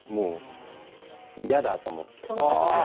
嫌だと思って。